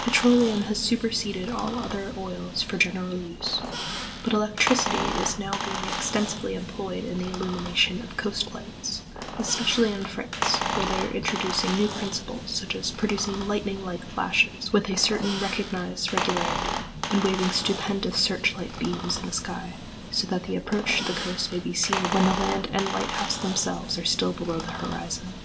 Petroleum has superseded all other oils for general use, but electricity is now being extensively employed in the illumination of coast lights, especially in France, where they are introducing new principles, such as producing lightning like flashes with a certain recognized regularity, and waving stupendous search light beams in the sky, so that the approach to the coast may be seen when the land and lighthouse themselves are still below the horizon.